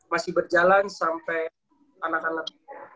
masih berjalan sampai anak anak